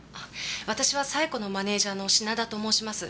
私は冴子のマネジャーの品田と申します。